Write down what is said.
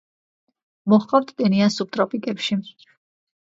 მოჰყავთ ტენიან სუბტროპიკებში.